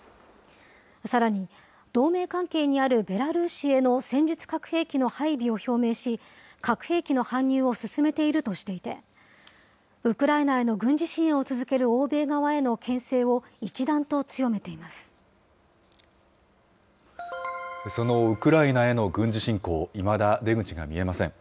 さらに、同盟関係にあるベラルーシへの戦術核兵器の配備を表明し、核兵器の搬入を進めているとしていて、ウクライナへの軍事支援を続ける欧米側へのけん制を一段と強めてそのウクライナへの軍事侵攻、いまだ出口が見えません。